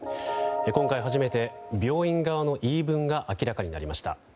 今回初めて、病院側の言い分が明らかになりました。